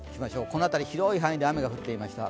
この辺り、広い範囲で雨が降っていました。